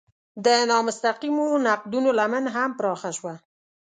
د نامستقیمو نقدونو لمن هم پراخه شوه.